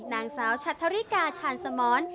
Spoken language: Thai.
นางสาวชัตริกาชานสมอน